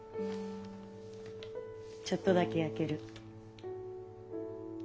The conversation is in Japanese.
ちょっとだけやける。